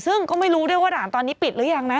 ซึ่งก็ไม่รู้ด้วยว่าด่านตอนนี้ปิดหรือยังนะ